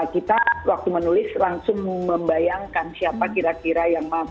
kita waktu menulis langsung membayangkan siapa kira kira yang